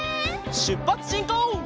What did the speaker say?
しゅっぱつしんこう！